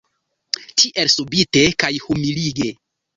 Tiel subite kaj humilige.